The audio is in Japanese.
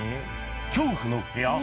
恐怖の部屋？